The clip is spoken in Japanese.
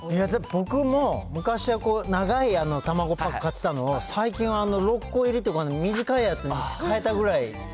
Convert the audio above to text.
僕も昔は長い卵パック買ってたのを、最近は６個入りとか、短いやつに買えたぐらい。